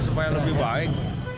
supaya lebih baik